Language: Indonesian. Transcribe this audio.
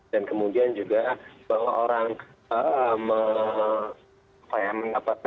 dan kemudian juga karena kita sudah melakukan penyelidikan kita sudah melakukan penyelidikan